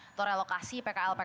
atau relokasi pkl pkl